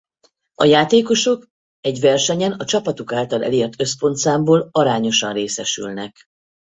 A játékosok egy versenyen a csapatuk által elért összpontszámból arányosan részesülnek.